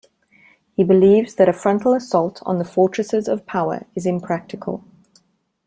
He believes that a frontal assault on the fortresses of power is impractical.